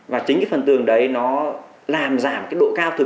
và chính cái phần tường đấy nó làm giảm cái độ cao từ